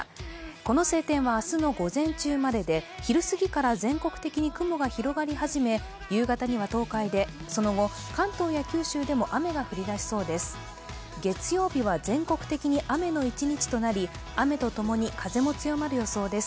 この晴天は明日の午前中までで、昼過ぎから全国的に雲が広がり始め、夕方には東海で、その後、関東や九州でも雨が降り出しそうです。